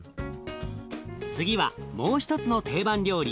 次はもう一つの定番料理